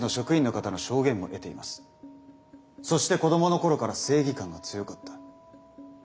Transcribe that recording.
そして子供の頃から正義感が強かった。